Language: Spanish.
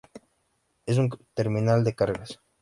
Es una terminal de cargas.